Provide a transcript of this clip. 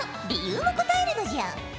理由も答えるのじゃ。